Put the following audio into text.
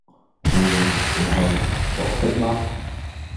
你會唔會去？傻的嗎